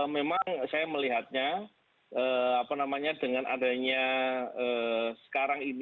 memang saya melihatnya apa namanya dengan adanya sekarang